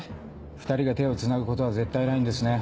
２人が手をつなぐことは絶対ないんですね？